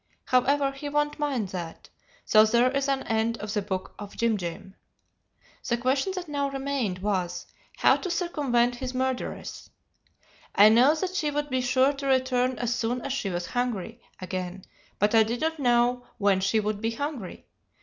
However, he won't mind that; so there is an end of the book of Jim Jim. "The question that now remained was, how to circumvent his murderess. I knew that she would be sure to return as soon as she was hungry again, but I did not know when she would be hungry.